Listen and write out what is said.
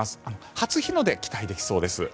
初日の出、期待できそうです。